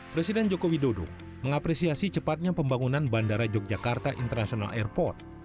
presiden joko widodo mengapresiasi cepatnya pembangunan bandara yogyakarta international airport